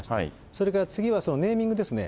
それから次はネーミングですね。